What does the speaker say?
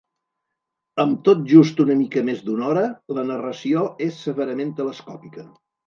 Amb tot just una mica més d'una hora, la narració és severament telescòpica.